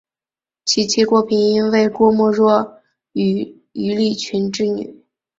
其妻郭平英为郭沫若与于立群之女。